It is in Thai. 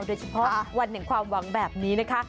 โดยเฉพาะวันแห่งความหวังแบบนี้นะคะ